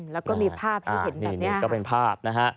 แล้วก็มีภาพที่เห็นแบบนี้